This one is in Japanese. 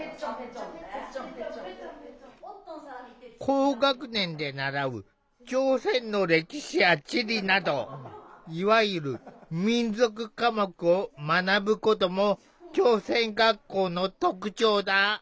高学年で習う朝鮮の歴史や地理などいわゆる「民族科目」を学ぶことも朝鮮学校の特徴だ。